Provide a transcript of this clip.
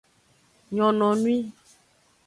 Nyononwi.